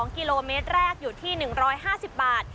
๒กิโลเมตรแรกอยู่ที่๑๕๐บาท